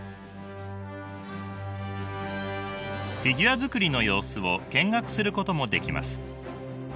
フィギュア作りの様子を見学することもできます。